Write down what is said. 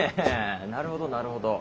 なるほどなるほど。